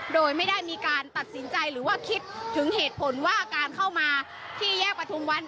โดยไม่ได้มีการตัดสินใจหรือว่าคิดถึงเหตุผลว่าการเข้ามาที่แยกประทุมวัน